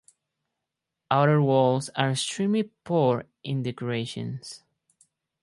Outer walls are extremely poor in decoration.